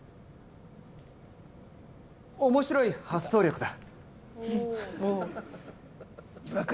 面白い発想力だ。